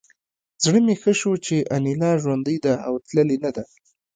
زړه مې ښه شو چې انیلا ژوندۍ ده او تللې نه ده